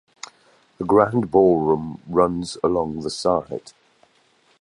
The grand ballroom runs along the side.